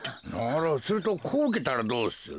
するとこううけたらどうする？